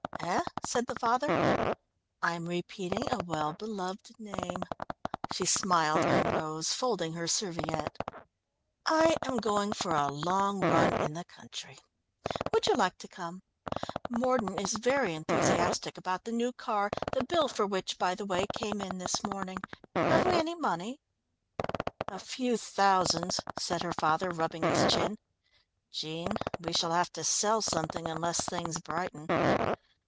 "Eh?" said the father. "I'm repeating a well beloved name," she smiled and rose, folding her serviette. "I am going for a long run in the country. Would you like to come? Mordon is very enthusiastic about the new car, the bill for which, by the way, came in this morning. Have we any money?" "A few thousands," said her father, rubbing his chin. "Jean, we shall have to sell something unless things brighten."